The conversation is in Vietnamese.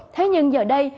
thế nhưng giờ đây